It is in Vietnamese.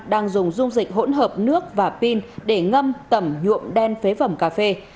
đang dùng dung dịch hỗn hợp nước và pin để ngâm tẩm nhuộm đen phế phẩm cà phê